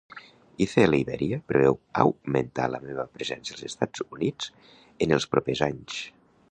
ICL Iberia preveu augmentar la meva presència als Estats Units en els propers anys.